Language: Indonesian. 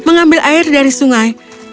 mengambil air dari sungai